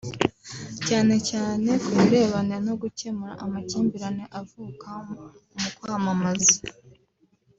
cyane cyane ku birebana no gukemura amakimbirane avuka mu kwamamaza